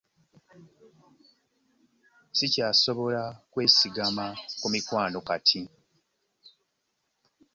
Ssikyasobola kwesigama ku mikwano kati.